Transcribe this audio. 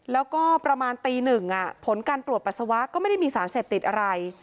แล้วก็ประมาณตีหนึ่งผลการตรวจปัสสาวะก็ไม่ได้มีสารเสพติดอะไร